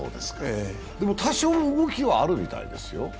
多少動きはあるみたいですよ？